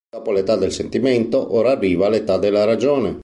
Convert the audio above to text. Dopo l'età del sentimento, ora arriva l'età della ragione.